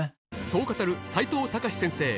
そう語る齋藤孝先生